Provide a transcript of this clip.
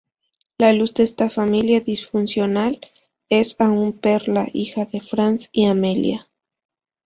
La luz de esta familia disfuncional es aún Perla, hija de Franz y Amelia.